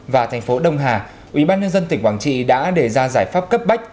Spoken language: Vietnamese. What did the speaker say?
và thành phố đông hà ubnd tỉnh quảng trị đã đề ra giải pháp cấp bách